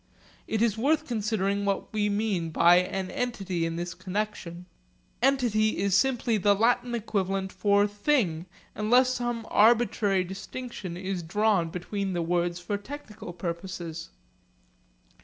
It is worth considering what we mean by an entity in this connexion. 'Entity' is simply the Latin equivalent for 'thing' unless some arbitrary distinction is drawn between the words for technical purposes.